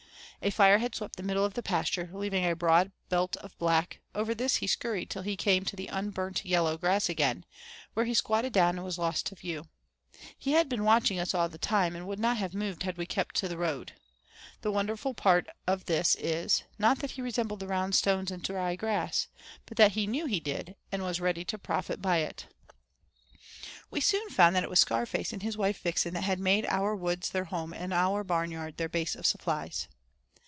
A fire had swept the middle of the pasture, leaving a broad belt of black; over this he scurried till he came to the unburnt yellow grass again, where he squatted down and was lost to view. He had been watching us all the time, and would not have moved had we kept to the road. The wonderful part of this is, not that he resembled the round stones and dry grass, but that he knew he did, and was ready to profit by it. We soon found that it was Scarface and his wife Vixen that had made our woods their home and our barnyard their base of supplies.